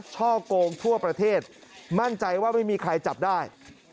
ช่อกงทั่วประเทศมั่นใจว่าไม่มีใครจับได้